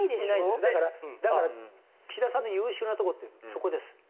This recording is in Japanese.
だから岸田さんの優秀なとこっていうのはそこです。